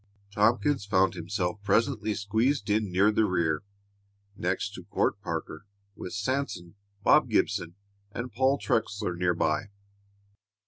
Tompkins found himself presently squeezed in near the rear, next to Court Parker, with Sanson, Bob Gibson, and Paul Trexler near by.